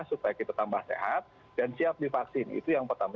supaya kita tambah sehat dan siap divaksin itu yang pertama